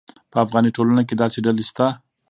په افغاني ټولنه کې داسې ډلې شته.